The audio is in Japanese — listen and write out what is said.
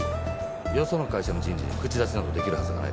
よその会社の人事に口出しなどできるはずがないでしょう。